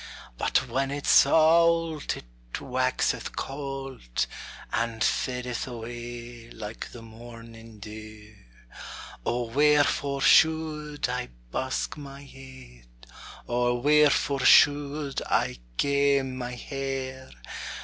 But when it's auld it waxeth cauld, And fadeth awa' like the morning dew. O wherefore should I busk my heid. Or wherefore should I kame my hair?